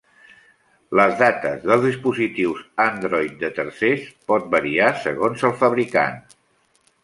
Les dates dels dispositius Android de tercers pot variar segons el fabricant.